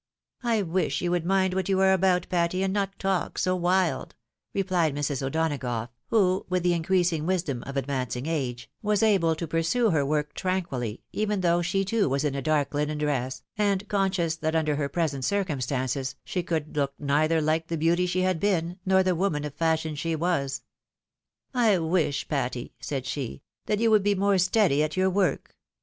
" I wish you would mind what you are about, Patty, and not talk so wild," replied Mrs. O'Donagough, who, with the increasing wisdom of advancing age, was able to pursue her work tranquilly, even though she too was in a dark hnen dress, and conscious that under her present circumstances, she could look neither hke the beauty she had been, nor the woman of fashion she was. " I wish, Patty," said she, " that you would be more steady at your work.